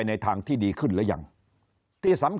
คนในวงการสื่อ๓๐องค์กร